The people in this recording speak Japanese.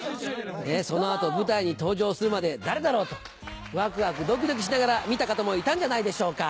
その後舞台に登場するまで誰だろう？とわくわくドキドキしながら見た方もいたんじゃないでしょうか。